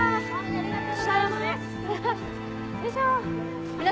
ありがとうございます。